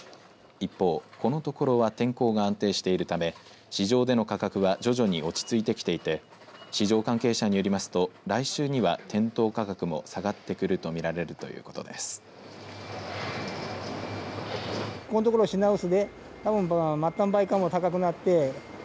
一方、このところは天候が安定しているため市場での価格は徐々に落ち着いてきていて市場関係者によりますと来週には店頭価格も下がってくるとみられるということです。